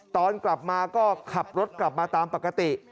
ตอนกลับมาก็ขับรถกลับมาตามปกติ